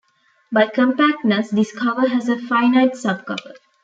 By compactness, this cover has a finite subcover.